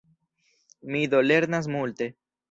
Mi do lernas multe.